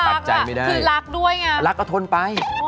หลักด้วยงั้นรับก็ทนไป